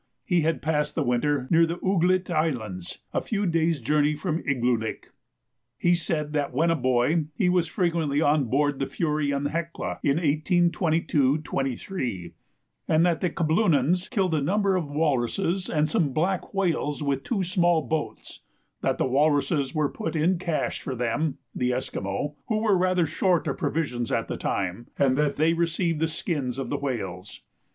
He had passed the winter near the Ooglit Islands, a few days' journey from Igloolik. He said that, when a boy, he was frequently on board the Fury and Hecla in 1822 23, and that the "Kabloonans" killed a number of walruses, and some black whales, with two small boats; that the walruses were put in "cache" for them (the Esquimaux), who were rather short of provisions at the time, and that they received the skins of the whales.